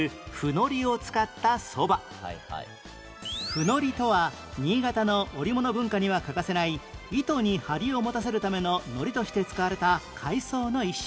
布海苔とは新潟の織物文化には欠かせない糸に張りを持たせるための糊として使われた海藻の一種